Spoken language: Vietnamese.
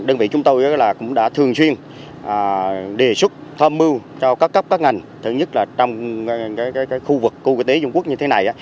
đơn vị chúng tôi cũng đã thường xuyên đề xuất tham mưu cho các cấp các ngành thường nhất là trong khu vực quốc tế dung quất như thế này